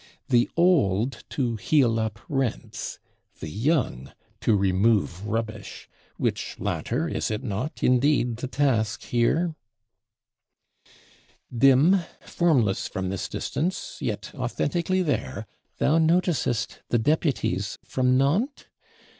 The old to heal up rents, the young to remove rubbish: which latter is it not, indeed, the task here? Dim, formless from this distance, yet authentically there, thou noticest the Deputies from Nantes?